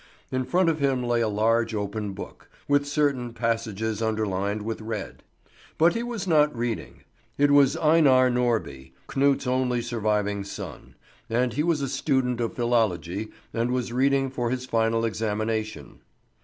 In front of him lay a large open book, with certain passages underlined with red; but he was not reading. It was Einar Norby, Knut's only surviving son; and he was a student of philology, and was reading for his final examination.